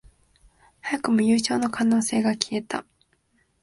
早くも優勝の可能性が消えた